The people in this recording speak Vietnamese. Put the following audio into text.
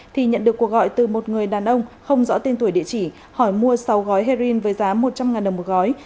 thì nhận được cuộc gọi từ một người đàn ông không rõ tên tuổi địa chỉ hỏi mua sáu gói heroin với giá một trăm linh đồng một gói